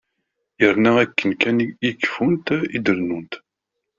Yerna akken kan i keffunt i d-rennunt.